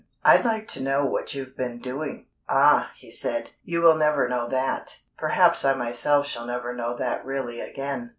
I'd like to know what you've been doing?" "Ah!" he said, "you will never know that. Perhaps I myself shall never know that really again.